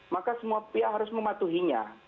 maka semua pihak harus mematuhinya